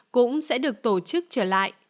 cũng sẽ được tổ chức trở lại